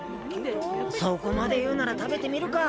そこまでいうならたべてみるか。